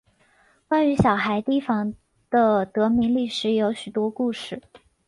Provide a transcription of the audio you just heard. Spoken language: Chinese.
关于小孩堤防的得名历史有许多故事。